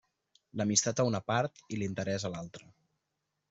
L'amistat a una part i l'interés a l'altra.